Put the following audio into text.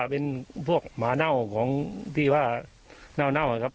เป็นพวกหมาเน่าของที่ว่าเน่านะครับ